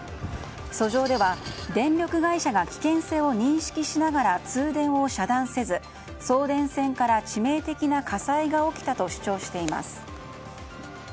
訴状では電力会社が危険性を認識しながら通電を遮断せず、送電線から致命的な火災が起きたと主張しています。